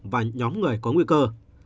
và nhóm người có nguy cơ